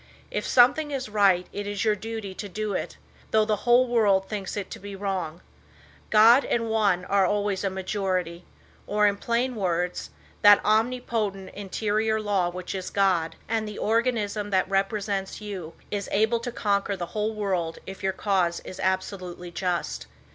If something is right it is your duty to do it, though the whole world thinks it to be wrong. "God and one are always a majority," or in plain words, that omnipotent interior law which is God, and the organism that represents you is able to conquer the whole world if your cause is absolutely just.